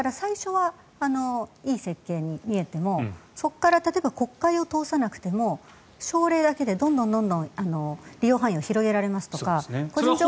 最初はいい設計に見えてもそこから国会を通さなくても省令だけでどんどん利用範囲を広げられますとか。